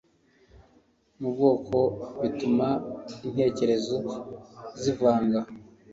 mu bwonko bituma intekerezo zivanga